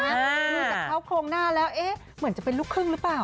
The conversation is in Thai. ดูจากเขาโครงหน้าแล้วเอ๊ะเหมือนจะเป็นลูกครึ่งหรือเปล่า